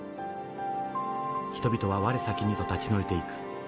人々は我先にと立ち退いていく。